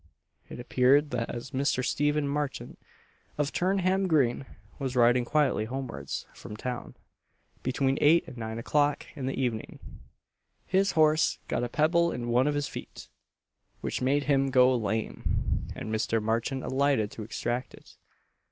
It appeared that as Mr. Stephen Marchant, of Turnham green, was riding quietly homewards from town, between eight and nine o'clock in the evening, his horse got a pebble in one of his feet, which made him go lame, and Mr. Marchant alighted to extract it.